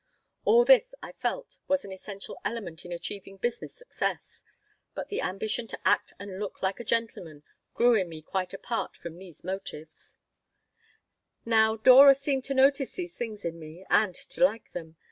All this, I felt, was an essential element in achieving business success; but the ambition to act and look like a gentleman grew in me quite apart from these motives Now, Dora seemed to notice these things in me, and to like them.